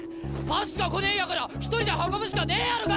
パスが来ねえんやから１人で運ぶしかねえやろがい！